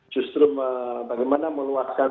justru bagaimana meluaskan